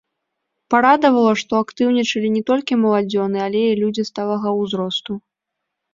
Парадавала, што актыўнічалі не толькі маладзёны, але і людзі сталага ўзросту.